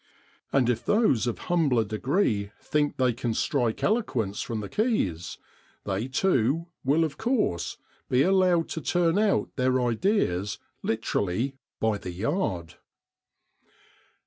And if those of humbler degree think they can strike eloquence from the keys, they too will of course be allowed to turn out their ideas literally by the yard.